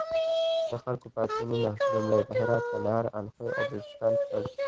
د خلکو پاڅونونه لومړی په هرات، کندهار، اندخوی او بلوچستان کې پیل شول.